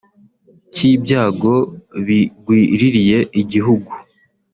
cy’ibyago bigwiririye igihugu